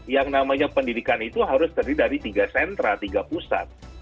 yang namanya pendidikan itu harus terdiri dari tiga sentra tiga pusat